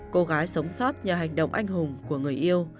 cô gái sống sót nhờ hành động anh hùng của người yêu